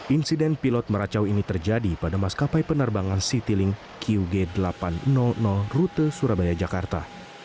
insiden pilot meracau ini terjadi pada maskapai penerbangan citylink qg delapan ratus rute surabaya jakarta